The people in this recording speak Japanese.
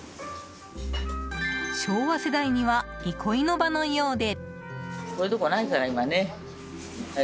昭和世代には憩いの場のようで。